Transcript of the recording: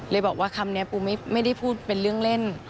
เลยบอกว่าคำนี้ปูไม่ได้พูดเป็นเรื่องเล่น